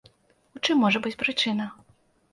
У чым можа быць прычына?